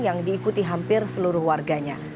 yang diikuti hampir seluruh warganya